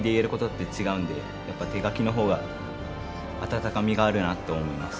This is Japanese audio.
やっぱ手書きの方が温かみがあるなって思います。